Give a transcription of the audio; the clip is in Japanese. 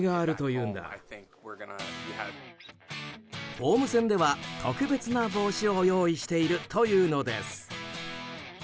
ホーム戦では、特別な帽子を用意しているというのです。